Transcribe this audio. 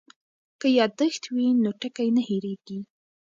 که یادښت وي نو ټکی نه هېریږي.